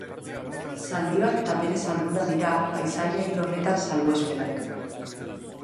Zaldi bat eta bere zalduna dira paisaia hil horretan salbuespenak.